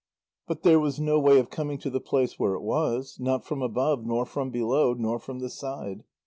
But there was no way of coming to the place where it was, not from above nor from below, nor from the side.